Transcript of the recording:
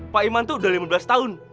pak iman itu udah lima belas tahun